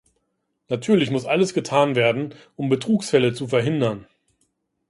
Natürlich muss alles getan werden, um Betrugsfälle zu verhindern.